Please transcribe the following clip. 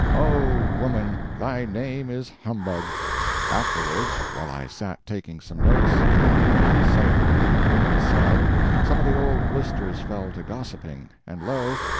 O, woman, thy name is humbug! Afterwards, while I sat taking some notes, and not in sight from the women's cell, some of the old blisters fell to gossiping, and lo!